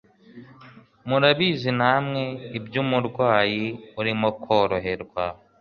murabizi nanwe ibyumurwayi urimo koroherwa